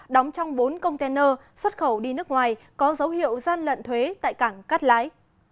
đóng trong bốn container xuất khẩu đi nước ngoài có dấu hiệu gian lận thuế tại cảng cát lái